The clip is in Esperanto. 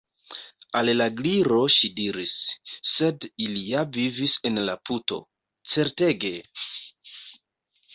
Al la Gliro ŝi diris: "Sed ili ja vivis en la puto. Certege! »